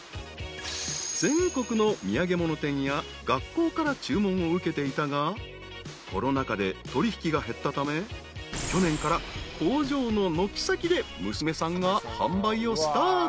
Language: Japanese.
［全国の土産物店や学校から注文を受けていたがコロナ禍で取引が減ったため去年から工場の軒先で娘さんが販売をスタート］